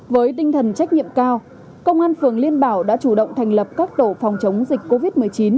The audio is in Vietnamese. với tinh thần trách nhiệm cao công an phường liên bảo đã chủ động thành lập các tổ phòng chống dịch covid một mươi chín